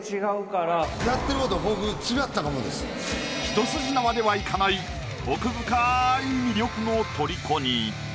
ひと筋縄ではいかない奥深い魅力の虜に。